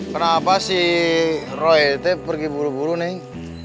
kenapa si roy itu pergi buru buru nih